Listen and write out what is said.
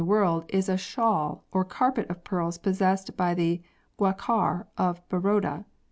the world is a shawl or carpet of pearls possessed by the Gaikwar of Baroda.